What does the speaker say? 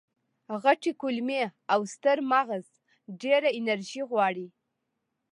غټې کولمې او ستر ماغز ډېره انرژي غواړي.